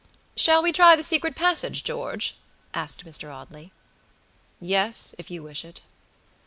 "Shall we try the secret passage, George?" asked Mr. Audley. "Yes, if you wish it."